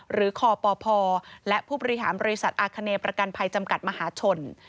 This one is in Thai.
หรือคปพและผู้บริหารบริษัทอาคเนประกันภัยจำกัดมหาชน